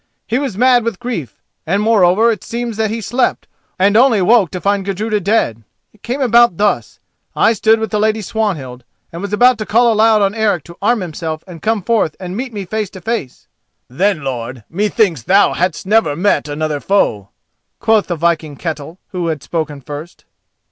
"He was mad with grief, and moreover it seems that he slept, and only woke to find Gudruda dead. It came about thus: I stood with the lady Swanhild, and was about to call aloud on Eric to arm himself and come forth and meet me face to face——" "Then, lord, methinks thou hadst never met another foe," quoth the viking Ketel who had spoken first.